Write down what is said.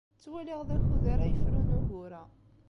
Ttwaliɣ d akud ara yefrun ugur-a.